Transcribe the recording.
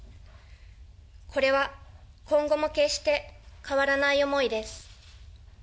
これは今後も決して変わらない思いです。